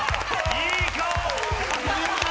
いい顔！